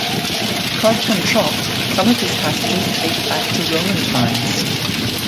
Carved from chalk, some of these passages date back to Roman times.